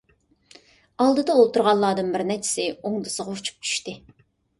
ئالدىدا ئولتۇرغانلاردىن بىر نەچچىسى ئوڭدىسىغا ئۇچۇپ چۈشتى.